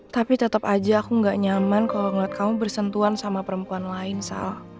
tapi tetap aja aku gak nyaman kalau ngeliat kamu bersentuhan sama perempuan lain soal